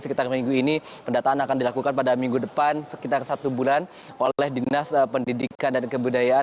sekitar minggu ini pendataan akan dilakukan pada minggu depan sekitar satu bulan oleh dinas pendidikan dan kebudayaan